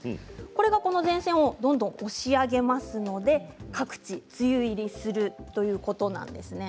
これがこの前線をどんどん押し上げますので各地、梅雨入りするということなんです。